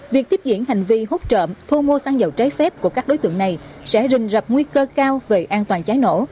việc tiếp diễn hành vi hút trộm thu mua xăng dầu trái phép của các đối tượng này sẽ rình rập nguy cơ cao về an toàn cháy nổ